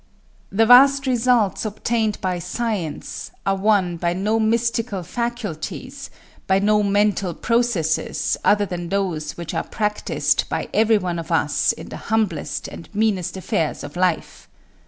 The vast results obtained by science are won by no mystical faculties, by no mental processes, other than those which are practised by every one of us in the humblest and meanest affairs of life.